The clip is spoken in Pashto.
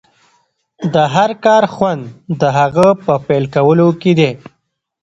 د هر کار خوند د هغه په پيل کولو کې دی.